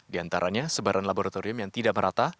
di antaranya sebaran laboratorium yang tidak merata